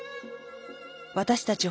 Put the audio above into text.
私たち